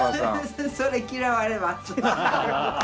それ嫌われます。